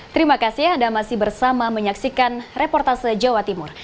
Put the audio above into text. terima kasih anda masih bersama menyaksikan reportase jawa timur